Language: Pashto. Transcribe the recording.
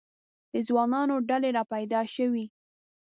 د ځوانانو ډلې را پیدا شوې.